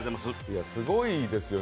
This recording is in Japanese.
すごいですよね